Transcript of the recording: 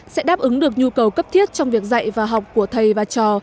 sẽ đáp ứng được nhu cầu cấp thiết trong việc dạy và học của thầy và trò